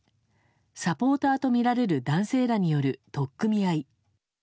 サポーターと見られる男性らによる取っ組み合い。